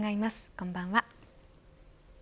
こんばんは。